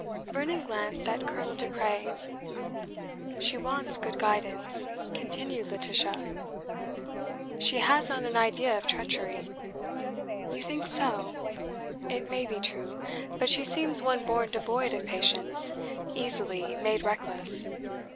Vernon glanced at Colonel De Craye. "She wants good guidance," continued Laetitia. "She has not an idea of treachery." "You think so? It may be true. But she seems one born devoid of patience, easily made reckless.